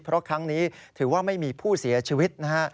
เพราะครั้งนี้ถือว่าไม่มีผู้เสียชีวิตนะฮะ